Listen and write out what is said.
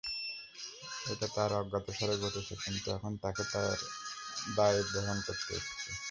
এটা তাঁর অজ্ঞাতসারে ঘটেছে কিন্তু এখন তাঁকে তার দায় বহন করতে হচ্ছে।